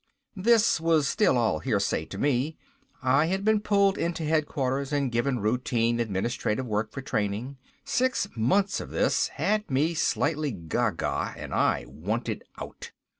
This was still all hearsay to me. I had been pulled into headquarters and given routine administration work for training. Six months of this had me slightly ga ga and I wanted out.